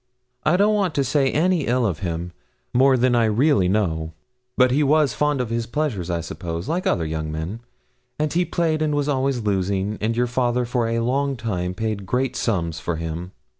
I don't want to say any ill of him more than I really know but he was fond of his pleasures, I suppose, like other young men, and he played, and was always losing, and your father for a long time paid great sums for him.